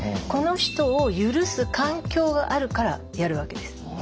この人を許す環境があるからやるわけです。